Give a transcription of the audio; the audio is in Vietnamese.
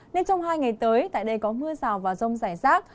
nên trong hai ngày tới tại đây có mưa rào và rong dài rác